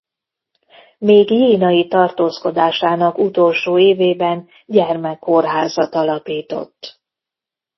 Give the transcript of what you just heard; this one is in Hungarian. Még jénai tartózkodásának utolsó évében gyermekkórházat alapított.